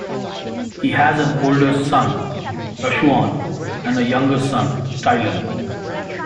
He has an older son, Rashaun, and a younger son, Tylon.